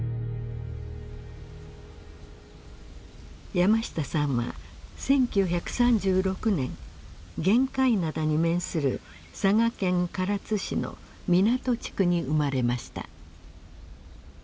山下さんは１９３６年玄界灘に面する佐賀県唐津市の湊地区に生まれました。